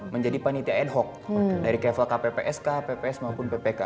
menjadi panitia ad hoc dari kevel kppsk pps maupun ppk